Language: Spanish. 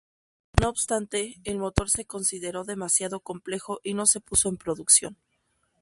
No obstante, el motor se consideró demasiado complejo, y no se puso en producción.